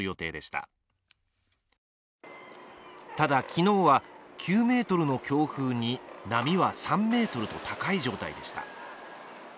ただ、昨日は９メートルの強風に波は３ｍと高い状態でした。